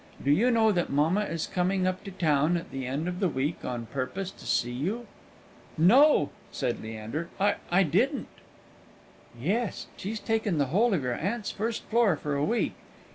Do you know that mamma is coming up to town at the end of the week on purpose to see you?" "No," said Leander, "I I didn't." "Yes, she's taken the whole of your aunt's first floor for a week.